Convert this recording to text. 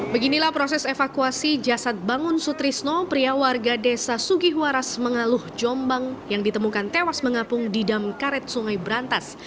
beginilah proses evakuasi jasad bangun sutrisno pria warga desa sugihwaras mengaluh jombang yang ditemukan tewas mengapung di damkaret sungai berantas